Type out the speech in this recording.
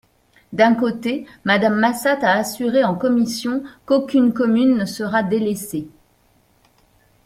D’un côté, Madame Massat a assuré en commission qu’aucune commune ne sera délaissée.